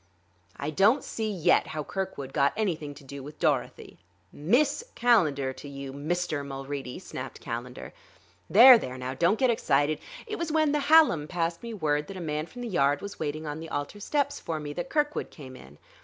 "I don't see yet how Kirkwood got anything to do with Dorothy." "Miss Calendar to you, Mister Mulready!" snapped Calendar. "There, there, now! Don't get excited.... It was when the Hallam passed me word that a man from the Yard was waiting on the altar steps for me, that Kirkwood came in.